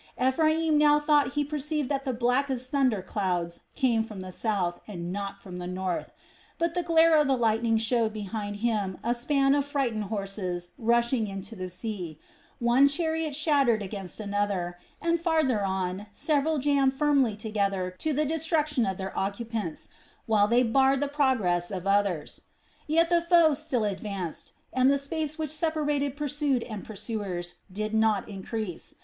Ephraim now thought he perceived that the blackest thunder clouds came from the south and not from the north, but the glare of the lightning showed behind him a span of frightened horses rushing into the sea, one chariot shattered against another, and farther on several jammed firmly together to the destruction of their occupants, while they barred the progress of others. Yet the foe still advanced, and the space which separated pursued and pursuers did not increase.